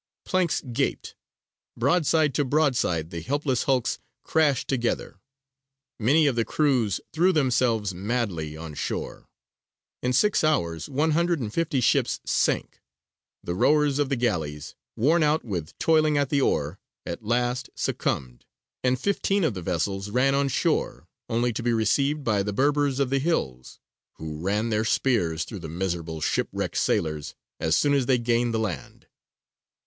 Planks gaped; broadside to broadside the helpless hulks crashed together. Many of the crews threw themselves madly on shore. In six hours one hundred and fifty ships sank. The rowers of the galleys, worn out with toiling at the oar, at last succumbed, and fifteen of the vessels ran on shore, only to be received by the Berbers of the hills, who ran their spears through the miserable shipwrecked sailors as soon as they gained the land.